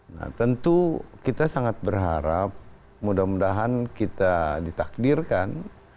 nah tentu kita sangat berharap mudah mudahan kita ditakdirkan